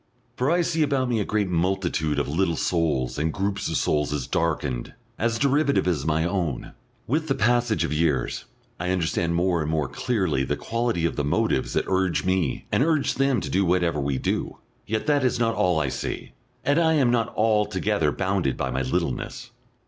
For I see about me a great multitude of little souls and groups of souls as darkened, as derivative as my own; with the passage of years I understand more and more clearly the quality of the motives that urge me and urge them to do whatever we do.... Yet that is not all I see, and I am not altogether bounded by my littleness.